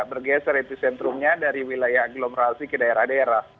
bergeser epicentrumnya dari wilayah agglomerasi ke daerah daerah